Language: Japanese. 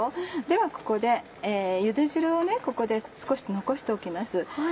ではここでゆで汁をここで少し残しておきます。